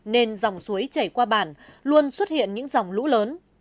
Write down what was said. nên dòng suối chảy qua bản luôn xuất hiện những dòng lũ lớn